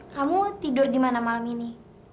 kamu tidur di mana malam ini